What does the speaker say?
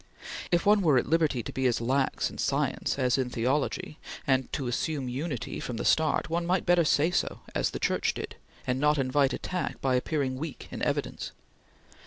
If one were at liberty to be as lax in science as in theology, and to assume unity from the start, one might better say so, as the Church did, and not invite attack by appearing weak in evidence.